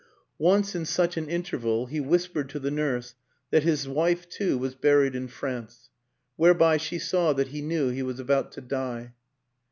Once, in such an interval, he whispered to the nurse that his wife, too, was buried in France; whereby she saw that he knew he was about to die.